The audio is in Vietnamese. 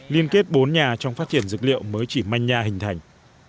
liên kết bốn nhà trong phát triển dược liệu mới chỉ manh nha hình thành